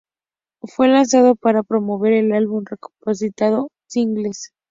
Fue lanzado para promover el álbum recopilatorio Singles.